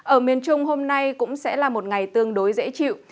ở miền trung hôm nay cũng sẽ là một ngày tương đối dễ chịu